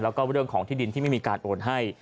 แล้วก็เรื่องของที่ดินที่ไม่มีการโอนให้